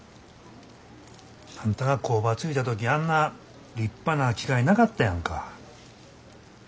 あんたが工場継いだ時あんな立派な機械なかったやんか。